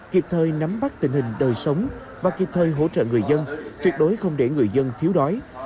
kịp thời nắm bắt tình hình đời sống và kịp thời hỗ trợ người dân tuyệt đối không để người dân thiếu đói